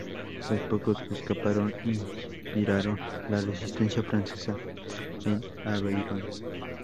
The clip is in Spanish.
Los pocos que escaparon inspiraron la Resistencia francesa en Aveyron.